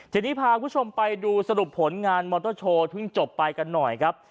ทีนี้พาคุณผู้ชมไปดูสรุปผลงานมอเตอร์โชว์เพิ่งจบไปกันหน่อยครับ